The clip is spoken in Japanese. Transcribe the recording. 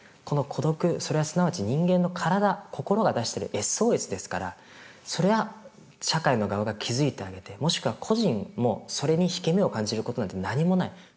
この孤独それはすなわち人間の体心が出してるＳＯＳですからそれは社会の側が気付いてあげてもしくは個人もそれに引け目を感じることなんて何もない。